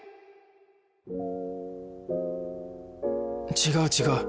違う違う